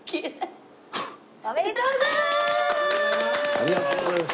おめでとうございます！